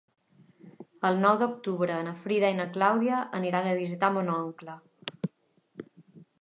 El nou d'octubre na Frida i na Clàudia aniran a visitar mon oncle.